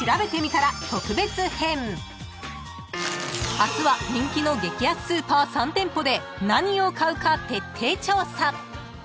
［明日は人気の激安スーパー３店舗で何を買うか徹底調査］